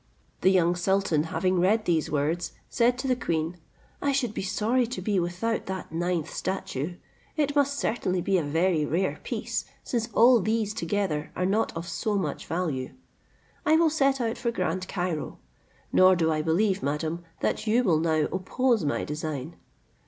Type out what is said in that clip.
The young sultan having read these words, said to the queen, "I should be sorry to be without that ninth statue; it must certainly be a very rare piece, since all these together are not of so much value. I will set out for Grand Cairo; nor do I believe, madam, that you will now oppose my design."